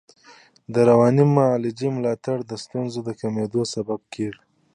د رواني معالجې ملاتړ د ستونزو د کمېدو سبب کېږي.